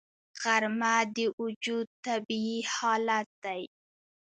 غرمه د وجود طبیعي حالت دی